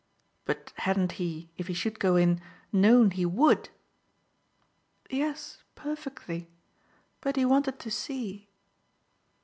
"But hadn't he if he should go in known he WOULD?" "Yes, perfectly. But he wanted to see."